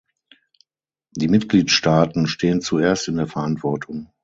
Die Mitgliedstaaten stehen zuerst in der Verantwortung.